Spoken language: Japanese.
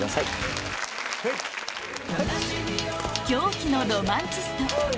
「狂気のロマンチスト」